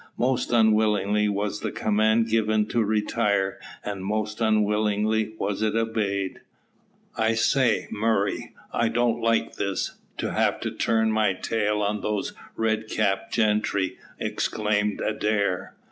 Most unwillingly was the command given to retire, and most unwillingly was it obeyed. "I say, Murray, I don't like this to have to turn my tail on those red capped gentry," exclaimed Adair.